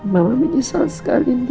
mama menyesal sekali dit